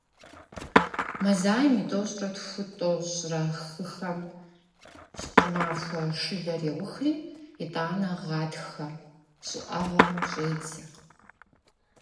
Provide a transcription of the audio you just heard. Мазаем и тӏощӏрэ тху-тӏощӏрэ хыхэм щӀымахуэ шылэр еухри, итӏанэ гъатхэ щӀыӀэгъуэм щӀедзэ.